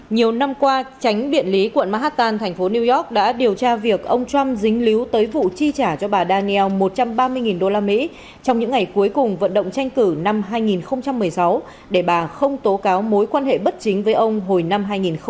nhiều năm qua tránh biện lý quận mahatan thành phố new york đã điều tra việc ông trump dính líu tới vụ chi trả cho bà daniel một trăm ba mươi usd trong những ngày cuối cùng vận động tranh cử năm hai nghìn một mươi sáu để bà không tố cáo mối quan hệ bất chính với ông hồi năm hai nghìn một mươi